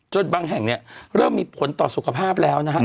จนบางแห่งเริ่มมีผลต่อสุขภาพแล้วนะครับ